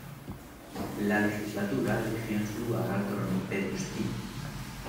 La legislatura eligió en su lugar al coronel Pedro Espino.